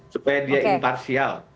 supaya dia imparsial